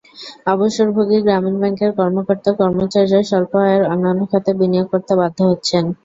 অবসরভোগী গ্রামীণ ব্যাংকের কর্মকর্তা-কর্মচারীরা স্বল্প আয়ের অন্যান্য খাতে বিনিয়োগ করতে বাধ্য হচ্ছেন।